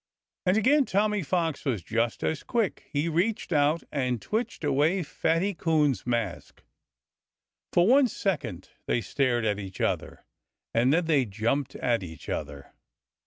And again Tommy Fox was just as quick. He reached out and twitched away Fatty Coon's mask. For one second they stared at each other. And then they jumped at each other.